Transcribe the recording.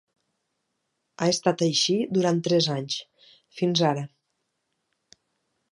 Ha estat així durant tres anys, fins ara.